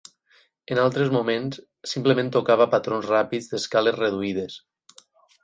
En altres moments, simplement tocava patrons ràpids d'escales reduïdes.